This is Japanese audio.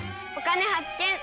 「お金発見」。